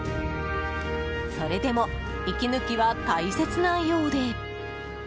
それでも息抜きは大切なようで。